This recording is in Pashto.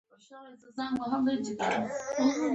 دغه الفاظ زده کړي وي